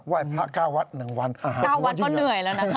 ไหว้พระเก้าวัดหนึ่งวันเก้าวัดก็เหนื่อยแล้วนะครับ